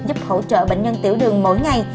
giúp hỗ trợ bệnh nhân tiểu đường mỗi ngày